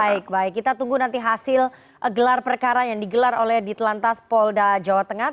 baik baik kita tunggu nanti hasil gelar perkara yang digelar oleh ditelantas polda jawa tengah